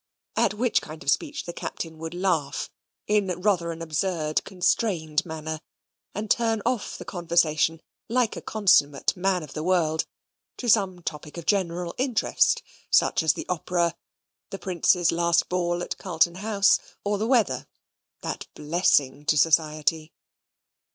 At which kind of speech the Captain would laugh in rather an absurd constrained manner, and turn off the conversation, like a consummate man of the world, to some topic of general interest, such as the Opera, the Prince's last ball at Carlton House, or the weather that blessing to society.